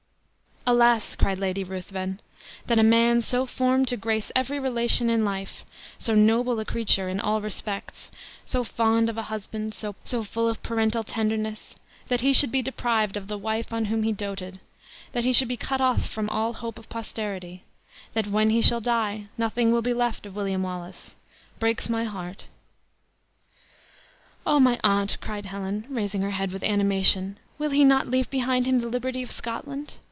"Alas!" cried Lady Ruthven, "that a man, so formed to grace every relation in life so noble a creature in all respects so fond of a husband so full of parental tenderness that he should be deprived of the wife on whom he doted; that he should be cut off from all hope of posterity; that when he shall die, nothing will be left of William Wallace breaks my heart!" "Ah, my aunt," cried Helen, raising her head with animation, "will he not leave behind him the liberty of Scotland?